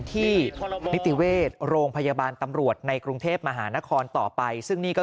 ที่นิติเวชโรงพยาบาลตำรวจในกรุงเทพมหานครต่อไปซึ่งนี่ก็